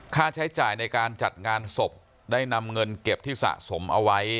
ค่าใช้จ่ายในการจัดงานศพได้นำเงินเก็บที่สะสมเอาไว้